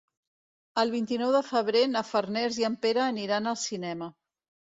El vint-i-nou de febrer na Farners i en Pere aniran al cinema.